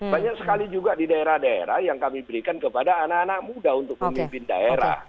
banyak sekali juga di daerah daerah yang kami berikan kepada anak anak muda untuk memimpin daerah